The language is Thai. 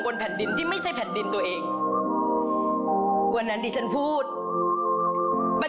ของท่านได้เสด็จเข้ามาอยู่ในความทรงจำของคน๖๗๐ล้านคนค่ะทุกท่าน